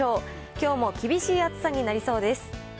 きょうも厳しい暑さになりそうです。